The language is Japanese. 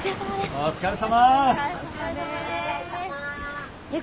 お疲れさまです。